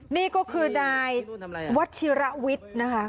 นี่ก็คือนายวัชิระวิทย์นะคะ